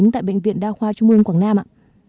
tại bệnh viện đa khoa trung ương quảng nam ạ